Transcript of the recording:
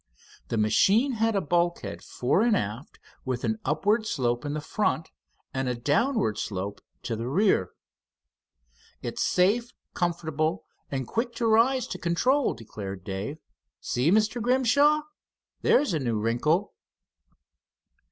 The machine had a bulkhead fore and aft, with an upward slope in front and a downward slope to the rear. "It's safe, comfortable, and quick to rise to control," declared Dave. "See, Mr. Grimshaw, there's a new wrinkle."